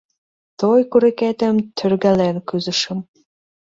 Той курыкетым тӧргален кӱзышым.